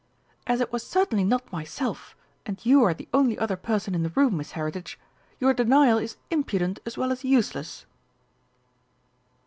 "As it was certainly not myself, and you are the only other person in the room, Miss Heritage, your denial is impudent as well as useless!"